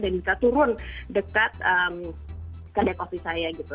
dan bisa turun dekat ke dek ofis saya gitu